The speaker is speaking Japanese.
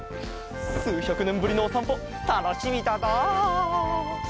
すうひゃくねんぶりのおさんぽたのしみだな。